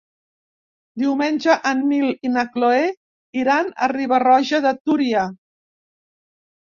Diumenge en Nil i na Cloè iran a Riba-roja de Túria.